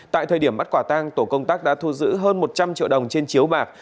tại thời điểm bắt quả tang tổ công tác đã thu giữ hơn một trăm linh triệu đồng trên chiếu bạc